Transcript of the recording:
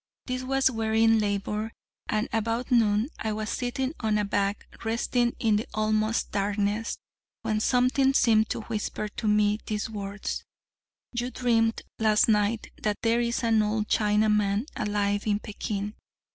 This was wearying labour, and about noon I was sitting on a bag, resting in the almost darkness, when something seemed to whisper to me these words: '_You dreamed last night that there is an old Chinaman alive in Pekin.